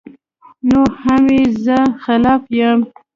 نو هم ئې زۀ خلاف يم